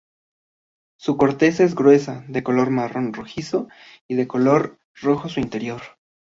Su corteza es gruesa, de color marrón rojizo y de color rojo su interior.